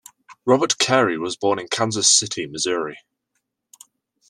Robert Cary was born in Kansas City, Missouri.